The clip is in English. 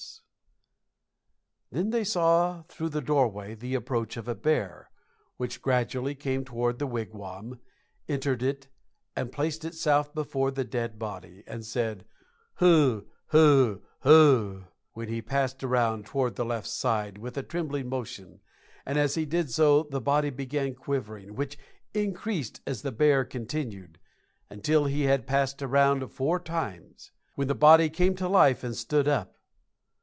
Then they saw, through the doorway, the approach of a bear, which gradually came toward the wigwam, entered it, and placed itself before the dead body, and said "Hu, hu, hu," when he passed around toward the left side, with a trembling motion, and as he did so, the body began quivering, which increased as the bear continued, until he had passed around four times, when the body came to life and stood up.